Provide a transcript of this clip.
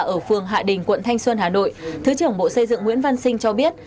ở phường hạ đình quận thanh xuân hà nội thứ trưởng bộ xây dựng nguyễn văn sinh cho biết